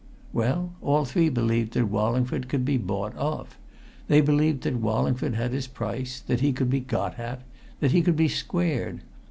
Well, all three believed that Wallingford could be bought off. They believed that Wallingford had his price; that he could be got at; that he could be squared.